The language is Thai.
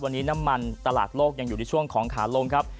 วันนี้น้ำมันตลาดโลกยังอยู่ในช่วงของขาลงครับ